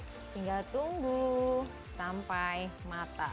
hai tinggal tunggu sampai matal